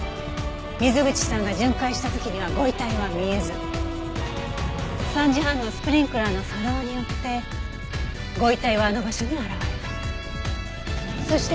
水口さんが巡回した時にはご遺体は見えず３時半のスプリンクラーの作動によってご遺体はあの場所に現れた。